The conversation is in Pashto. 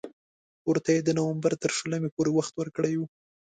ورته یې د نومبر تر شلمې پورې وخت ورکړی وو.